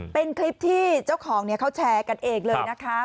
เป็นคลิปที่เจ้าของเขาแชร์กันเองเลยนะคะ